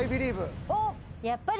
やっぱり。